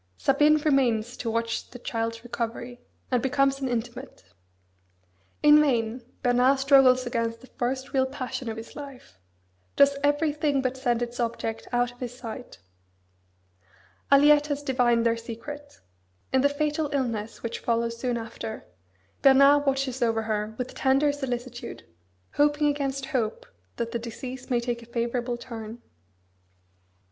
Sabine remains to watch the child's recovery, and becomes an intimate. In vain Bernard struggles against the first real passion of his life; does everything but send its object out of his sight. Aliette has divined their secret. In the fatal illness which follows soon after, Bernard watches over her with tender solicitude; hoping against hope that the disease may take a favourable turn.